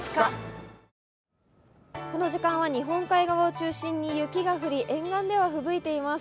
この時間は日本海側を中心に雪が降り沿岸ではふぶいています。